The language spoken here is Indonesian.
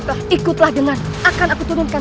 terima kasih atas dukungan anda